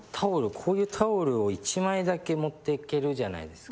こういうタオルを１枚だけ持っていけるじゃないですか。